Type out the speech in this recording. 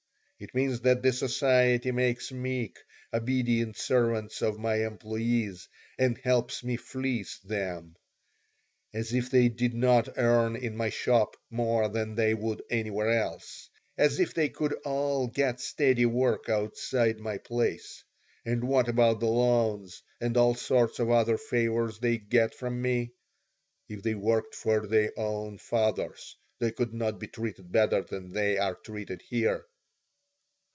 It means that the society makes meek, obedient servants of my employees and helps me fleece them. As if they did not earn in my shop more than they would anywhere else! As if they could all get steady work outside my place! And what about the loans and all sorts of other favors they get from me? If they worked for their own fathers they could not be treated better than they are treated here."